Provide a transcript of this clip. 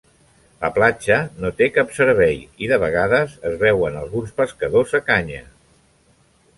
La platja no té cap servei i de vegades es veuen alguns pescadors a canya.